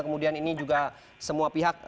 kemudian ini juga semua pihak